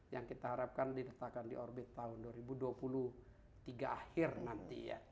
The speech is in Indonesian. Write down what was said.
yang kita harapkan diletakkan di orbit tahun dua ribu dua puluh tiga akhir nanti ya